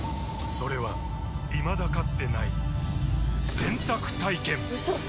それはいまだかつてない洗濯体験‼うそっ！